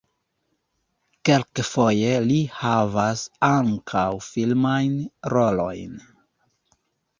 Kelkfoje li havas ankaŭ filmajn rolojn.